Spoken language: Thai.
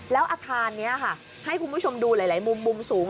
แล้วอาคารนี้ค่ะให้คุณผู้ชมดูหลายมุมมุมสูง